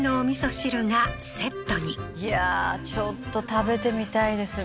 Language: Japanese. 汁がセットにいやーちょっと食べてみたいですね